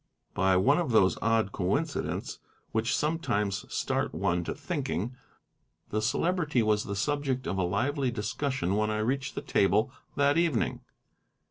By one of those odd coincidents which sometimes start one to thinking, the Celebrity was the subject of a lively discussion when I reached the table that evening.